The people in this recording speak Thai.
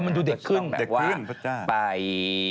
มันดูเด็กขึ้นเด็กครีมพระจ้าแบบว่าไป